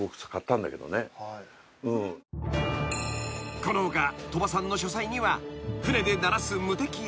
［この他鳥羽さんの書斎には船で鳴らす］